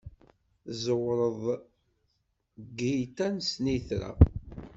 Tzewṛeḍ g tyita n ssnitra.